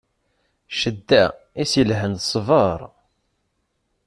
Ccedda, i s-ilhan, d ṣṣbeṛ.